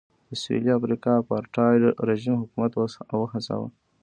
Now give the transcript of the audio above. د سوېلي افریقا اپارټایډ رژیم حکومت وهڅاوه.